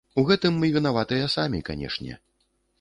І ў гэтым мы вінаватыя самі, канешне.